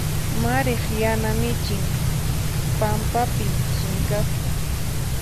Mariq yana michin pampapi chinkasqa.